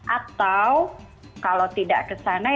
atau kalau tidak ke sana